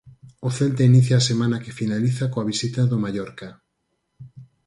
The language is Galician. O Celta inicia a semana que finaliza coa visita do Mallorca.